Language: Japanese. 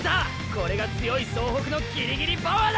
これが強い総北のギリギリパワーだ！